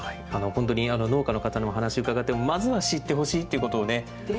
ほんとに農家の方のお話伺ってもまずは知ってほしいっていうことをね。ですよね。